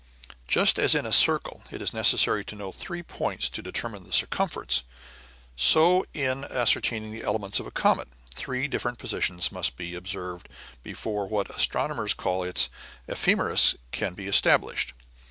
Just as in a circle, it is necessary to know three points to determine the circumference; so in ascertaining the elements of a comet, three different positions must be observed before what astronomers call its "ephemeris" can be established.